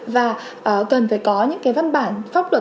và cần phải có những văn bản pháp luật